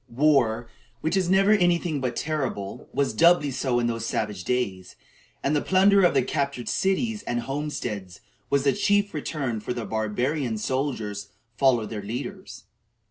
War, which is never any thing but terrible, was doubly so in those savage days, and the plunder of the captured cities and homesteads was the chief return for which the barbarian soldiers followed their leaders.